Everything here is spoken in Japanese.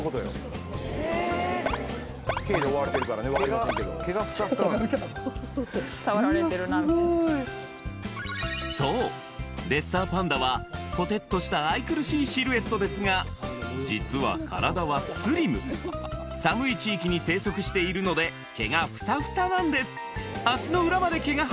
すごーいそうレッサーパンダはポテッとした愛くるしいシルエットですが実は体はスリム寒い地域に生息しているので毛がフサフサなんです